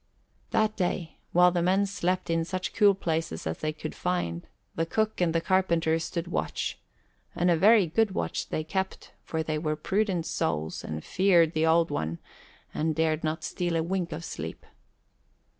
That day, while the men slept in such cool places as they could find, the cook and the carpenter stood watch; and a very good watch they kept, for they were prudent souls and feared the Old One and dared not steal a wink of sleep.